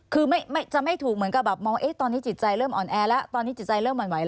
คือจะไม่ถูกเหมือนกับตอนที่จิตใจเริ่มอ่อนแอร์แล้ว